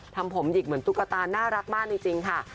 ทำผมหยิกเหมือนตุ๊กตาน่ารักมากจริงค่ะ